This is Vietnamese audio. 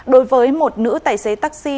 đối với một nữ tài xế taxi